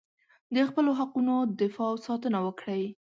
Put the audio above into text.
د خپلو حقونو دفاع او ساتنه وکړئ.